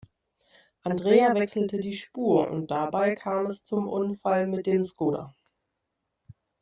Andrea wechselte die Spur und dabei kam es zum Unfall mit dem Skoda.